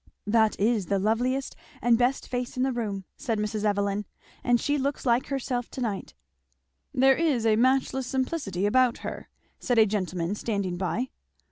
"That is the loveliest and best face in the room," said Mr. Evelyn; "and she looks like herself to night." "There is a matchless simplicity about her," said a gentleman standing by.